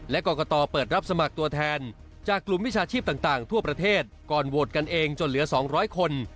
และกรกตเปิดรับสมัครตัวแทนจากกลุ่มวิชาชีพต่างทั่วประเทศก่อนโหวตกันเองจนเหลือ๒๐๐คน